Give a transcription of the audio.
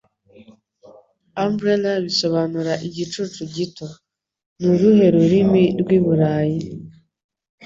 Umbrella Bisobanura “Igicucu Gito” Ni uruhe rurimi rw'i Burayi